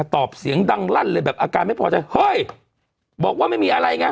ตอบเสียงดังรั่นเลยแบบอาการไม่พอชัยก็ความรับใจ